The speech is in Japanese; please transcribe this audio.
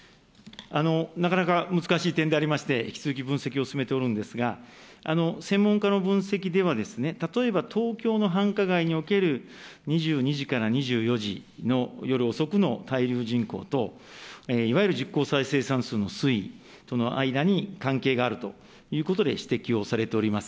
なかなか難しい点でありまして、引き続き分析を進めておるんですが、専門家の分析では、例えば東京の繁華街における２２時から２４時の夜遅くの滞留人口と、いわゆる実効再生産数の推移の間に関係があるということで、指摘をされております。